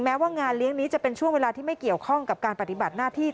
แม้ว่างานเลี้ยงนี้จะเป็นช่วงเวลาที่ไม่เกี่ยวข้องกับการปฏิบัติหน้าที่